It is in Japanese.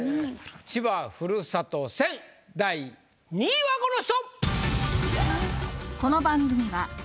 千葉ふるさと戦第２位はこの人！